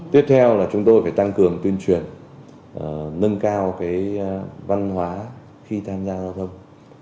tiếp theo là chúng tôi phải tăng cường tuyên truyền nâng cao văn hóa khi tham gia giao thông